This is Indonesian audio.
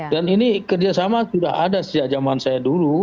dan ini kerjasama sudah ada sejak zaman saya dulu